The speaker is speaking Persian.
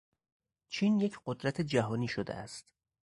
چین یک قدرت جهانی شده است.